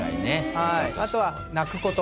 あとは泣くこと。